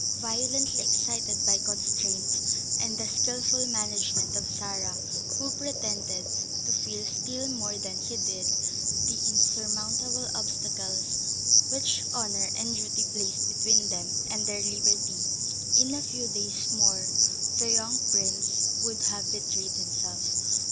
Violently excited by constraint, and the skilful management of Sarah, who pretended to feel still more than he did the insurmountable obstacles which honour and duty placed between them and their liberty, in a few days more the young prince would have betrayed himself.